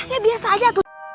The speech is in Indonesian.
ya biasa aja